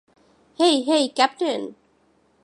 Hey, hey, captain.